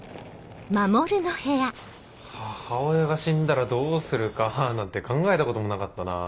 母親が死んだらどうするかなんて考えたこともなかったな。